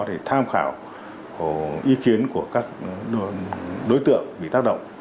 thì tham khảo ý kiến của các đối tượng bị tác động